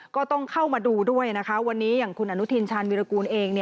ก็ต้องเข้ามาดูด้วยนะคะวันนี้อย่างคุณอนุทินชาญวิรากูลเอง